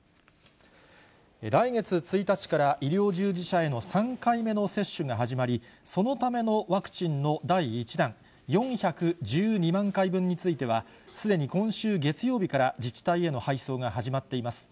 来月１日から医療従事者への３回目の接種が始まり、そのためのワクチンの第１弾、４１２万回分については、すでに今週月曜日から自治体への配送が始まっています。